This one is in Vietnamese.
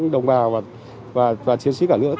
đồng bào và chiến sĩ cả lưỡi